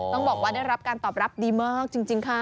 ต้องบอกว่าได้รับการตอบรับดีมากจริงค่ะ